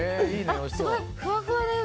すごい、ふわふわだよ。